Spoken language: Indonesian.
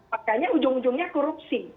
makanya ujung ujungnya korupsi